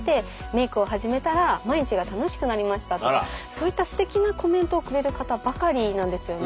そういったすてきなコメントをくれる方ばかりなんですよね